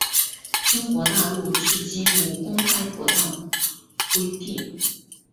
中国大陆至今无公开国葬规定。